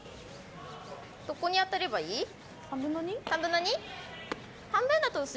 どこに当たればいい？